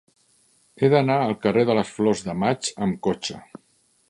He d'anar al carrer de les Flors de Maig amb cotxe.